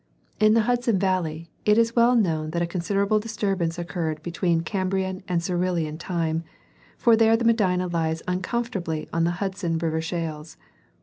In the Hudson Valley, it is well known that a con siderable disturbance occurred between Cambrian and Silurian time, for there the Medina lies unconformably on the Hudson River shales.